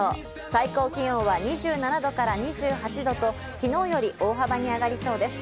最高気温は２７度から２８度と昨日より大幅に上がりそうです。